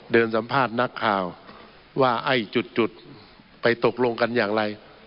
เดินสัมภาษณ์นักข่าวว่าไอ้จุดไปตกลงกันอย่างไร